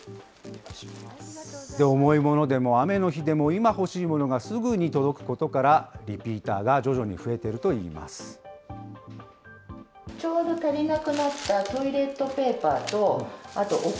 重いものでも雨の日でも、今欲しいものがすぐに届くことから、リピーターが徐々に増えているといいます。ですね。